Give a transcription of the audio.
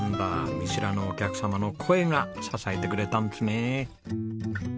見知らぬお客様の声が支えてくれたんですね。